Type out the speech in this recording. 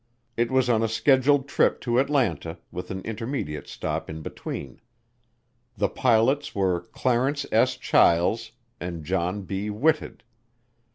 It was on a scheduled trip to Atlanta, with intermediate stops in between. The pilots were Clarence S. Chiles and John B. Whitted.